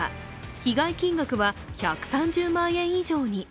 被害金額は１３０万円以上に。